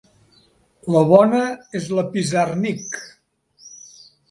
La bona és la Pizarnik.